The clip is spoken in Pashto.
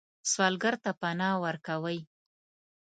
سوالګر ته پناه ورکوئ